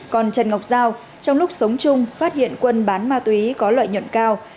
còn trần ngọc giao trong lúc sống chung phát hiện quân bán ma túy có lợi nhuận cao